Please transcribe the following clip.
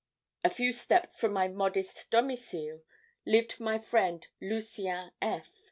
"A few steps from my modest domicile lived my friend Lucien F.